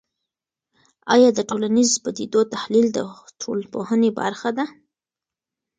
آیا د ټولنیزو پدیدو تحلیل د ټولنپوهنې برخه ده؟